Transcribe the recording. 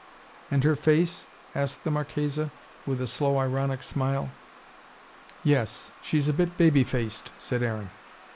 "And her face?" asked the Marchesa, with a slow, ironic smile. "Yes she's a bit baby faced," said Aaron.